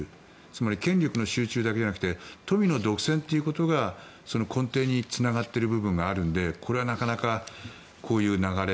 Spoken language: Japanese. つまり権力の集中だけじゃなくて富の独占ということがその根底につながっている部分があるのでこれはなかなかこういう流れ